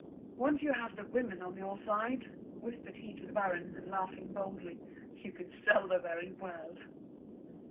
"Once have the women on your side," whispered he to the baron, and laughing boldly, "you could sell the very world."